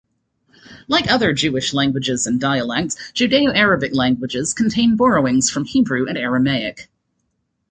Like other Jewish languages and dialects, Judeo-Arabic languages contain borrowings from Hebrew and Aramaic.